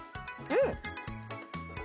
うん。